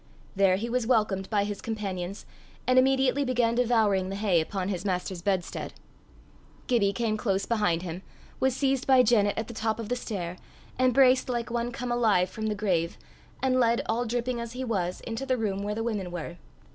There he was welcomed by his companions, and immediately began devouring the hay upon his master's bedstead. Gibbie came close behind him, was seized by Janet at the top of the stair, embraced like one come alive from the grave, and led, all dripping as he was, into the room where the women were.